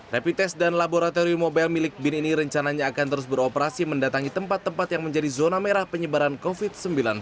rapid test dan laboratorium mobil milik bin ini rencananya akan terus beroperasi mendatangi tempat tempat yang menjadi zona merah penyebaran covid sembilan belas